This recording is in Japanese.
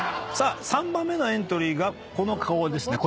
３番目のエントリーがこの顔ですね。